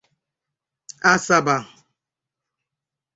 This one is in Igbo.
Asaba